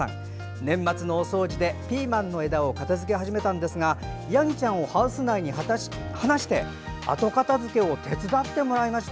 年末のお掃除でピーマンの枝を片づけ始めましたがヤギちゃんをハウス内に放して後片付けを手伝ってもらいました。